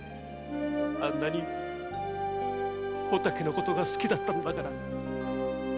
「あんなにお竹のことが好きだったのだから！」